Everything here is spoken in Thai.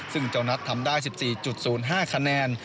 ซึ่งเจ้านัททำได้๑๔๐๕คะแนน